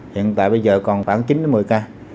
hiện tại bây giờ còn khoảng chín một mươi ca